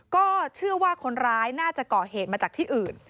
ก็เชื่อว่าคนร้ายน่าจะเกาะเหตุมาจากที่อื่น